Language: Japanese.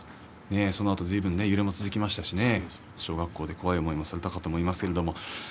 そのあとずいぶん揺れも続きましたしね怖い思いもしたと思います。